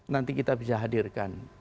nanti kita bisa hadirkan